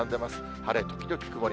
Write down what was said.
晴れ時々曇り。